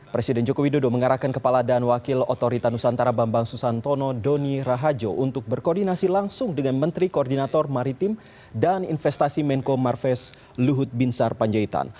presiden joko widodo mengarahkan kepala dan wakil otorita nusantara bambang susantono doni rahajo untuk berkoordinasi langsung dengan menteri koordinator maritim dan investasi menko marves luhut binsar panjaitan